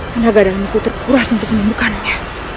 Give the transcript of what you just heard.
pendagang dalamku terkuras untuk menyembuhkannya